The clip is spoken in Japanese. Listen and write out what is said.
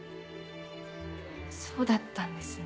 そうだったんですね。